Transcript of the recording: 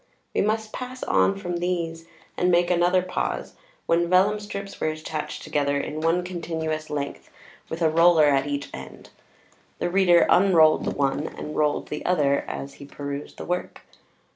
We must pass on from these, and make another pause, when vellum strips were attached together in one continuous length with a roller at each end. The reader unrolled the one, and rolled the other as he perused the work.